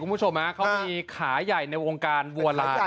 เมื่อความสนิทวันนี้ขายใหญ่ในโวงการว่าลาย